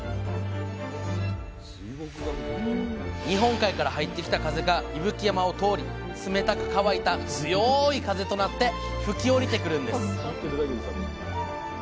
日本海から入ってきた風が伊吹山を通り冷たく乾いた強い風となって吹き下りてくるんです